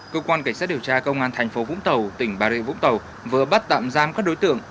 cơ quan cảnh sát điều tra công an thành phố vũng tàu tỉnh bà rịa vũng tàu vừa bắt tạm giam các đối tượng